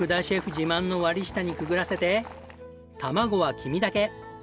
自慢の割下にくぐらせて卵は黄身だけ。